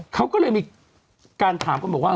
เขาก็เลยมีการถามกันบอกว่า